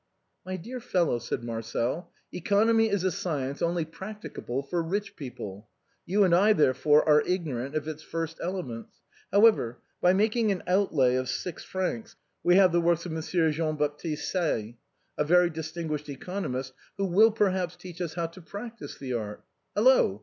" My dear fellow," said Marcel, " economy is a science only practicable for rich people; you and I, therefore, are ignorant of its first elements. However, by making an outlay of six francs we can have the works of Monsieur Jean Baptiste Say, a very distinguished economist, who will perhaps teach us how to practice the art. Hello